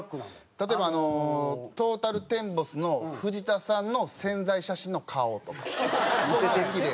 例えばあのトータルテンボスの藤田さんの宣材写真の顔とか好きで。